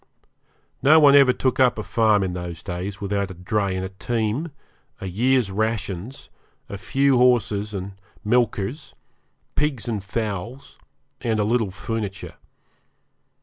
No one ever took up a farm in those days without a dray and a team, a year's rations, a few horses and milkers, pigs and fowls, and a little furniture.